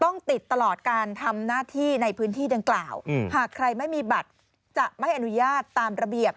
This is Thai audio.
ต้องติดตลอดการทำหน้าที่ในพื้นที่ดังกล่าวหากใครไม่มีบัตรจะไม่อนุญาตตามระเบียบ